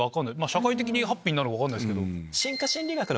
社会的にハッピーなのか分かんないですけど。